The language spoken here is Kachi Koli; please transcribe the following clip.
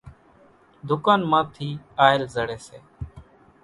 ۮُڪانَ مان ٿِي آئل زڙيَ سي۔